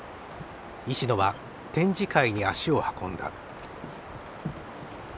石野は展示会に足を運んだ。